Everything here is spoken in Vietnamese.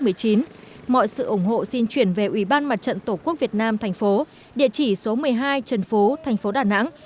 mọi sự ủng hộ xin chuyển về ubnd tqvn tp địa chỉ số một mươi hai trần phú tp đà nẵng